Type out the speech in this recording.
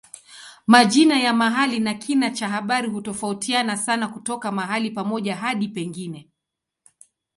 Majina ya mahali na kina cha habari hutofautiana sana kutoka mahali pamoja hadi pengine.